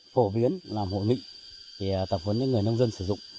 phổ biến làm hội nghị thì tập huấn với người nông dân sử dụng